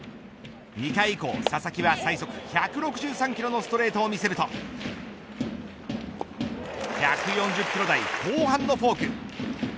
２回以降佐々木は最速１６３キロのストレートを見せると１４０キロ台後半のフォーク。